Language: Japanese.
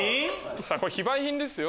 さぁ非売品ですよ。